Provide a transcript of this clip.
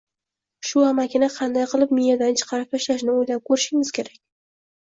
shu amakini qanday qilib miyadan chiqarib tashlashni o‘ylab ko‘rishingiz kerak.